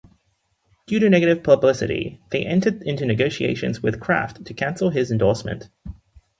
Due to negative publicity, they entered into negotiations with Kraft to cancel this endorsement.